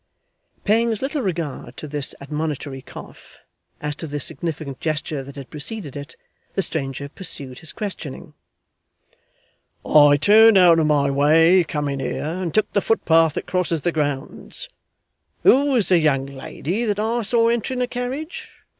Paying as little regard to this admonitory cough, as to the significant gesture that had preceded it, the stranger pursued his questioning. 'I turned out of my way coming here, and took the footpath that crosses the grounds. Who was the young lady that I saw entering a carriage?